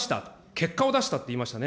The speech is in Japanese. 結果を出したって言いましたね。